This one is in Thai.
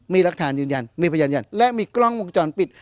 มีรักฐานยืนยันมีพยานยันและมีกล้องวงจรปิด